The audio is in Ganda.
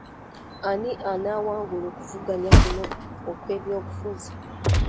Ani anaawangula okuvuganya kuno okw'ebyobufuzi?